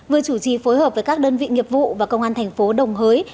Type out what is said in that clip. vừa chủ trì phối hợp với các đơn vị nghiệp vụ và công an thành phố đồng hới